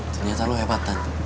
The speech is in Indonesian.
ternyata lo hebatan